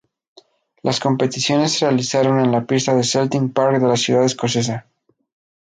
Las competiciones se realizaron en la pista del Celtic Park de la ciudad escocesa.